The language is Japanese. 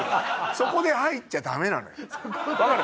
そこで入っちゃダメなのよ分かる？